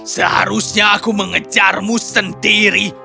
seharusnya aku mengejarmu sendiri